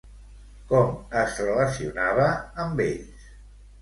Com es relacionava amb ells?